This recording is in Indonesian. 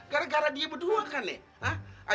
gara gara dia berdua kan nih